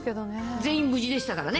全員無事でしたからね。